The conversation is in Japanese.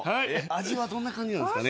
味はどんな感じなんですかね